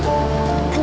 ya aku bantu